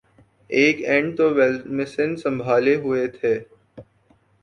ایک اینڈ تو ولیمسن سنبھالے ہوئے تھے